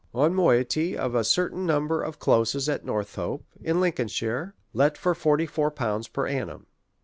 One moiety of a certain number of closes atNor thope, in Lincolnshire, let for fifty four pounds per annum.